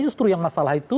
sesuai yang masalah itu